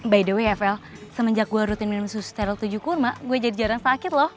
by the wfl semenjak gue rutin minum susu steril tujuh kurma gue jadi jarang sakit loh